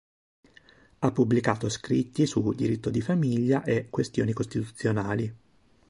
Ha pubblicato scritti su diritto di famiglia e questioni costituzionali.